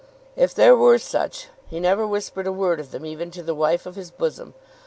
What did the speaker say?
If there were such he never whispered a word of them even to the wife of his bosom.